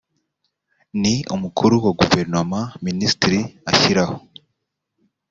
ni umukuru wa guverinoma minisitiri ashyiraho